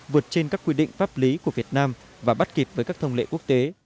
vượt trên các quy định pháp lý của việt nam và bắt kịp với các thông lệ quốc tế